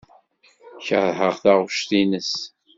Keṛheɣ taɣect-nnes.